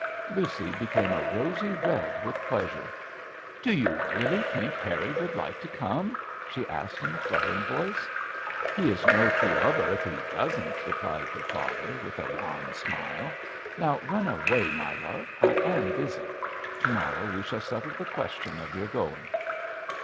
Lucy became a rosy red with pleasure. 'Do you really think Harry will like to come?' she asked in a fluttering voice. 'He is no true lover if he doesn't,' replied her father, with a wan smile. 'Now, run away, my love, I am busy. To morrow we shall settle the question of your going.'